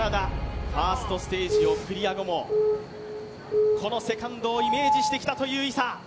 ファーストステージをクリア後もこのセカンドをイメージしてきたという伊佐。